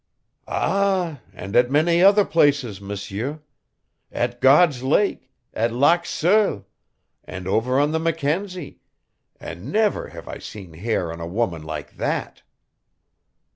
"Ah h h, and at many other places, M'sieu. At God's Lake, at Lac Seul, and over on the Mackenzie and never have I seen hair on a woman like that."